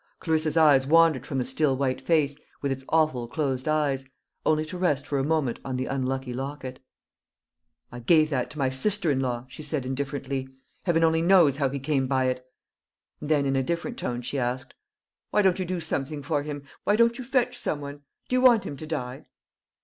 Clarissa's eyes wandered from the still white face, with its awful closed eyes, only to rest for a moment on the unlucky locket. "I gave that to my sister in law," she said indifferently. "Heaven only knows how he came by it." And then, in a different tone, she asked, "Why don't you do something for him? Why don't you fetch some one? Do you want him to die?"